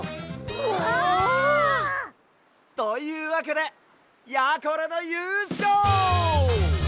うわ！というわけでやころのゆうしょう！